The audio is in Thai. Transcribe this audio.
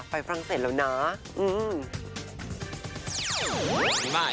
ฝรั่งเศสแล้วนะ